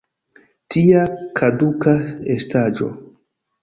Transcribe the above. Tia kaduka estaĵo!